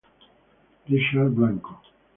Richard Blanco